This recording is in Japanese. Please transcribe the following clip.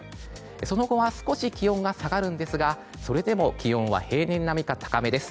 その後は少し気温は下がるんですがそれでも気温は平年並みか高めです。